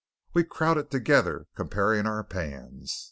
We crowded together comparing our "pans."